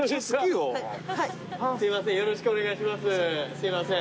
すいません